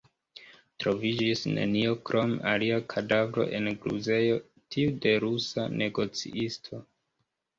Troviĝis nenio krom alia kadavro en gruzejo, tiu de rusa negocisto.